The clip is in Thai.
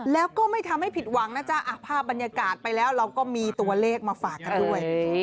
แล้วก็ไม่ทำให้ผิดหวังนะจ๊ะภาพบรรยากาศไปแล้วเราก็มีตัวเลขมาฝากกันด้วย